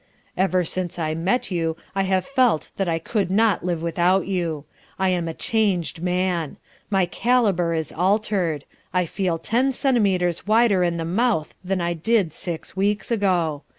"Ever since I first met you I have felt that I could not live without you. I am a changed man. My calibre is altered. I feel ten centimeters wider in the mouth than I did six weeks ago.